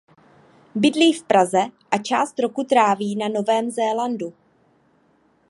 Bydlí v Praze a část roku tráví na Novém Zélandu.